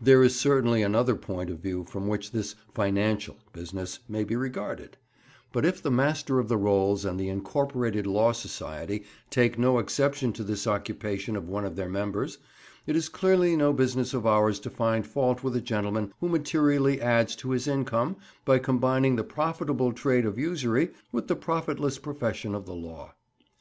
There is certainly another point of view from which this "financial" business may be regarded; but if the Master of the Rolls and the "Incorporated Law Society" take no exception to this occupation of one of their members, it is clearly no business of ours to find fault with a gentleman who materially adds to his income by combining the profitable trade of usury with the profitless profession of the law.